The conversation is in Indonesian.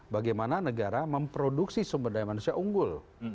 bagaimana negara memproduksi sumber daya manusia unggul